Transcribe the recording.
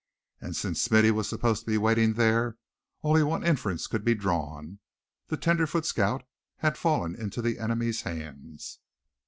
And since Smithy was supposed to be waiting there, only one inference could be drawn the tenderfoot scout had fallen into the enemy's hands!